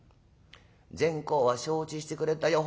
善公は承知してくれたよ。